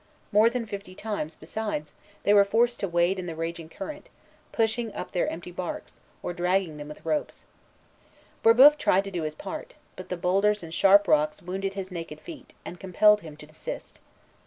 More than fifty times, besides, they were forced to wade in the raging current, pushing up their empty barks, or dragging them with ropes. Brébeuf tried to do his part; but the boulders and sharp rocks wounded his naked feet, and compelled him to desist.